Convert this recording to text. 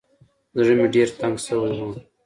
زړه مې ډېر تنګ سوى و.